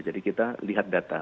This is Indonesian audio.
jadi kita lihat data